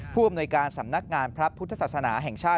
ผู้อำนวยการสำนักงานพระพุทธศาสนาแห่งชาติ